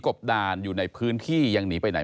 จอบรับในเรื่องนี้จากรายงาน